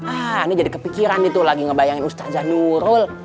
ah ini jadi kepikiran itu lagi ngebayangin ustazah nurul